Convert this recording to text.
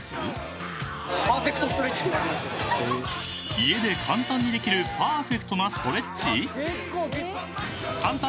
［家で簡単にできるパーフェクトなストレッチ？］